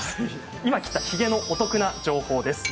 今、切ったヒゲのお得な情報です。